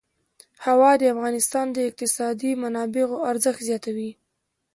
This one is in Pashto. هوا د افغانستان د اقتصادي منابعو ارزښت زیاتوي.